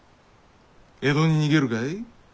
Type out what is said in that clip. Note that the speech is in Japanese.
江戸に逃げるかい？